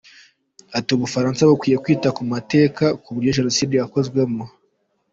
Ati “U Bufaransa bukwiye kwita ku mateka; ku buryo Jenoside yakozwemo.